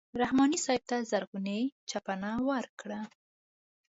رحماني صاحب ته زرغونه چپنه ورکړه.